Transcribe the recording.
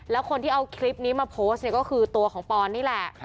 แล้วคนที่เอาคลิปนี้มาโพสต์เนี่ยก็คือตัวของปอนนี่แหละ